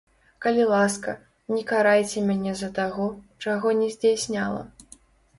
Калі ласка, не карайце мяне за таго, чаго не здзяйсняла.